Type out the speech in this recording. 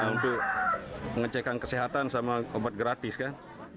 itu mengecekkan kesehatan sama obat gratis kan